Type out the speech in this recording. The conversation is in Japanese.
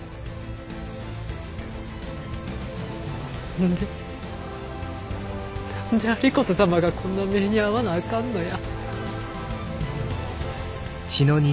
何で何で有功様がこんな目にあわなあかんのや。